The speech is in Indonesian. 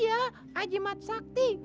ya ajimat sakti